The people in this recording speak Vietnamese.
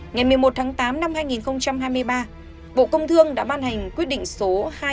ngày một mươi một tháng tám năm hai nghìn hai mươi ba bộ công thương đã ban hành quyết định số hai nghìn tám mươi một